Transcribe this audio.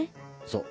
そう。